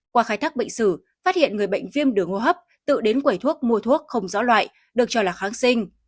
qua khai thác bệnh sử phát hiện người bệnh viêm đường hô hấp tự đến quầy thuốc mua thuốc không rõ loại được cho là kháng sinh